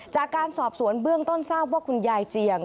จากการสอบสวนเบื้องต้นทราบว่าคุณยายเจียง